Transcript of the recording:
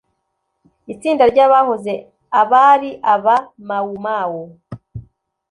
Itsinda ry’abahoze abari aba-Mau Mau